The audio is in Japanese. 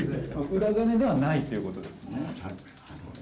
裏金ではないということですね？